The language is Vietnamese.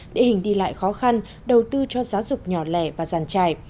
địa hình đi lại khó khăn đầu tư cho giáo dục nhỏ lẻ và giàn trải